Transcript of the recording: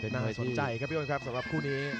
น่าสนใจครับพี่อ้นครับสำหรับคู่นี้